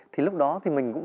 thì lúc đó thì mình cũng